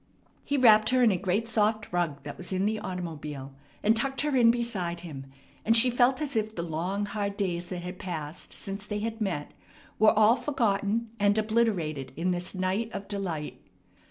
He wrapped her in a great soft rug that was in the automobile, and tucked her in beside him; and she felt as if the long, hard days that had passed since they had met were all forgotten and obliterated in this night of delight.